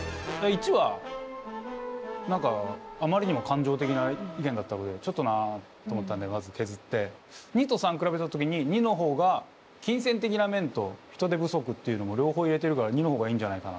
①は何かあまりにも感情的な意見だったのでちょっとなあと思ったんでまず削って②と③比べた時に②の方が金銭的な面と人手不足っていうのも両方入れてるから②の方がいいんじゃないかな。